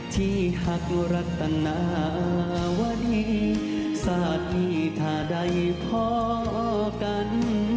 ที่หักรัฐนาวดีสัตว์มีท่าใดเพาะกัน